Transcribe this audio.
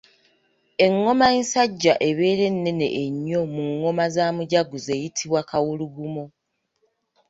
Engoma ensajja ebeera ennene ennyo mu ngoma za mujaguzo eyitibwa Kawulugumo.